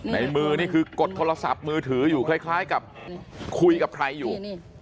ในมือนี่คือกดโทรศัพท์มือถืออยู่คล้ายกับคุยกับใครอยู่